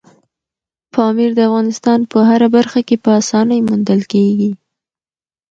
پامیر د افغانستان په هره برخه کې په اسانۍ موندل کېږي.